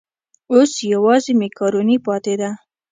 اوس یوازې مېکاروني پاتې ده.